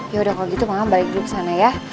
yaudah kalau gitu mama balik dulu ke sana ya